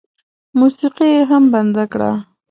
موسيقي یې هم بنده کړه.